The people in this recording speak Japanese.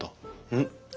うん？